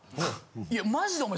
いやマジでお前